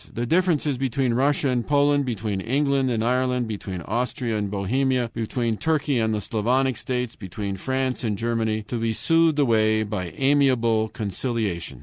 The differences between Russia and Poland, between England and Ireland, between Austria and Bohemia, between Turkey and the Slavonic states, between France and Germany, to be soothed away by amiable conciliation!